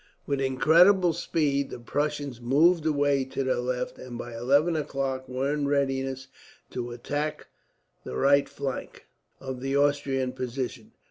With incredible speed the Prussians moved away to their left, and by eleven o'clock were in readiness to attack the right flank of the Austrian position.